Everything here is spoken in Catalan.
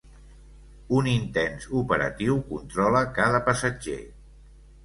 Un intens operatiu controla cada passatger.